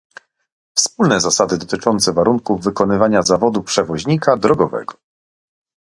Wspólne zasady dotyczące warunków wykonywania zawodu przewoźnika drogowego